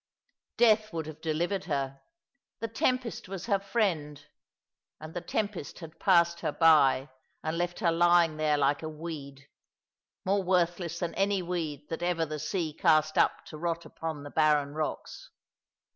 Death would have delivered her. The tempest was her friend ; and the tempest had passed her by, and left her lying there like a weed, more worthless than any weed that ever the sea cast up to rot upon the barren rocks.